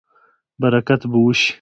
برکت به وشي